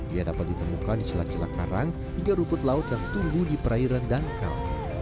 ia dapat ditemukan di celah celah karang hingga rumput laut yang tumbuh di perairan dangkal